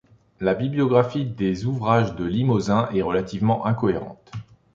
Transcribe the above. La bibliographie des ouvrages de Limosin est relativement incohérente.